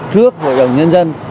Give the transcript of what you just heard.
trước hội đồng nhân dân